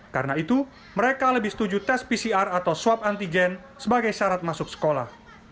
karena itu mereka lebih setuju tes pcr atau swab antigen sebagai syarat masuk sekolah